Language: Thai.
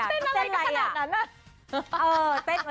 มีฉากอะไรอ่ะมันเต้นอะไรอ่ะ